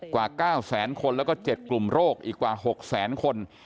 กว่า๙แสนคนแล้วก็๗กลุ่มโรคอีกกว่า๖แสนคน